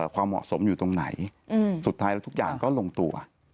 ความเหมาะสมอยู่ตรงไหนสุดท้ายแล้วทุกอย่างก็ลงตัว